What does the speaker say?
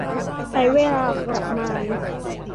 ใช้เวลาประมาณ